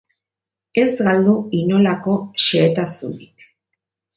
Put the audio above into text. Ez galdu inolako xehetasunik!